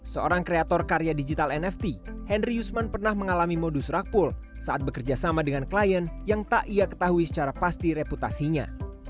seorang kreator karya digital nft henry yusman pernah mengalami modus rakpol saat bekerja sama dengan klien yang tak ia ketahui secara pasti reputasinya